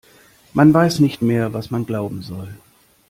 Man weiß nicht mehr, was man glauben soll.